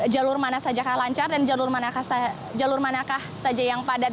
jalur mana saja kah lancar dan jalur manakah saja yang padat